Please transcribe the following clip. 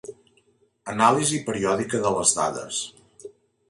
Anàlisi periòdica de les dades.